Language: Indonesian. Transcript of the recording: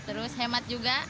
terus hemat juga